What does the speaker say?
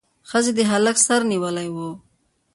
ښځې د هلک سر نیولی و.